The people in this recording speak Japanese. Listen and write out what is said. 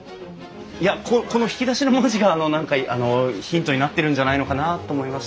いやここの引き出しの文字があの何かあのヒントになってるんじゃないのかなと思いまして。